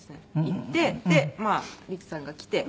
行ってまあ率さんが来て。